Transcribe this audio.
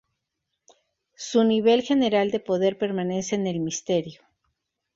Su nivel general de poder permanece en el misterio.